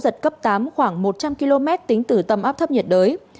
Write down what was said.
gió mạnh cấp tám khoảng một trăm linh km tính từ tâm áp thấp nhiệt đới